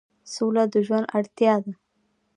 سوله د ژوند اړتیا ده